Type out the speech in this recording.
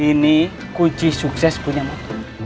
ini kunci sukses punya motor